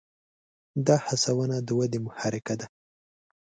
دا هڅونه د ودې محرکه ده.